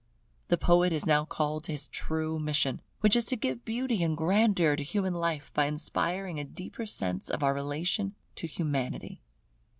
The poet is now called to his true mission, which is to give beauty and grandeur to human life, by inspiring a deeper sense of our relation to Humanity.